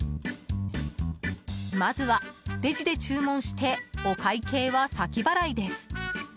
まずは、レジで注文してお会計は先払いです。